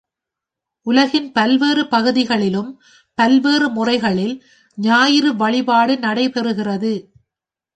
உலகின் பல்வேறு பகுதிகளிலும் பல்வேறு முறைகளில் ஞாயிறு வழிபாடு நடைபெறு கிறது.